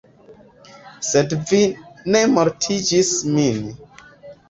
Sed vi ne mortigis min.